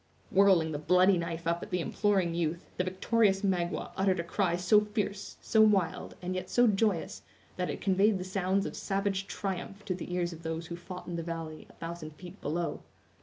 Whirling the bloody knife up at the imploring youth, the victorious Magua uttered a cry so fierce, so wild, and yet so joyous, that it conveyed the sounds of savage triumph to the ears of those who fought in the valley, a thousand feet below.